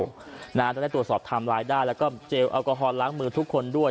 จะได้ตรวจสอบไทม์ไลน์ได้แล้วก็เจลแอลกอฮอลล้างมือทุกคนด้วย